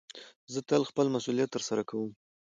زه تل خپل مسئولیت ترسره کوم.